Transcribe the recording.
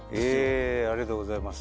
ありがとうございます。